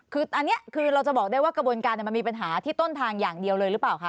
คืออันนี้คือเราจะบอกได้ว่ากระบวนการมันมีปัญหาที่ต้นทางอย่างเดียวเลยหรือเปล่าคะ